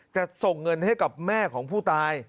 จะส่งเงินให้กับแม่ของผู้ตาย